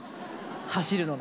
走るのが。